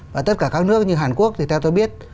và tất cả các nước như hàn quốc thì theo tôi biết